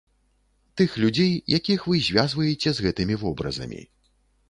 Тых людзей, якіх вы звязваеце з гэтымі вобразамі.